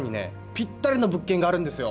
ピッタリの物件があるんですよ